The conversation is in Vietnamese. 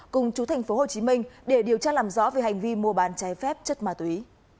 cùng chú thành phố hồ chí minh để điều tra làm rõ về hành vi mua bán trái phép chất ma túy